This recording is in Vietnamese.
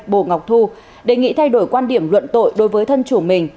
bộ ngọc thu đề nghị thay đổi quan điểm luận tội đối với thân chủ mình